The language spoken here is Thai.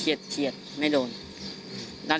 แล้วหลังจากนั้นเราขับหนีเอามามันก็ไล่ตามมาอยู่ตรงนั้น